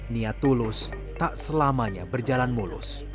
niat tulus tak selamanya berjalan mulus